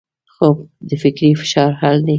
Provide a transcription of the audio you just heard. خوب د فکري فشار حل دی